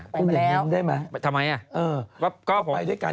ไปมานี่หนึ่งได้มั้ย